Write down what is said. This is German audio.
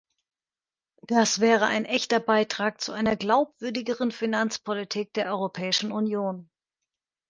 Das wäre ein echter Beitrag zu einer glaubwürdigeren Finanzpolitik der Europäischen Union.